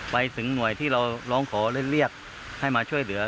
ไปถึงหน่วยที่เราร้องขอและเรียกให้มาช่วยเหลือ